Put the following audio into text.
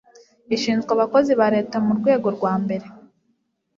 ishinzwe abakozi ba leta mu rwego rwa mbere